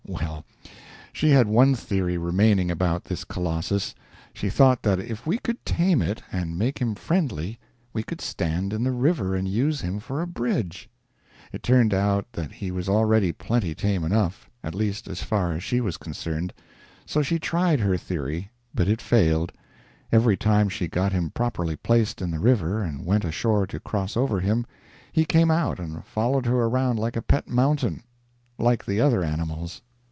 Well, she had one theory remaining about this colossus: she thought that if we could tame it and make him friendly we could stand him in the river and use him for a bridge. It turned out that he was already plenty tame enough at least as far as she was concerned so she tried her theory, but it failed: every time she got him properly placed in the river and went ashore to cross over him, he came out and followed her around like a pet mountain. Like the other animals.